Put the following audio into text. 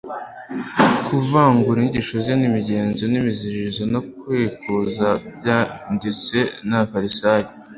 kuvangura inyigisho ze n'imigenzo n'imiziririzo no kwikuza by'abanditsi n'abafarisayo.